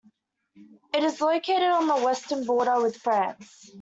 It is located on the western border with France.